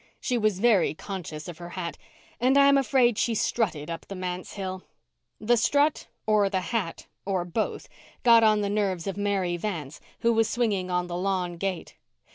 She was very conscious of her hat, and I am afraid she strutted up the manse hill. The strut, or the hat, or both, got on the nerves of Mary Vance, who was swinging on the lawn gate.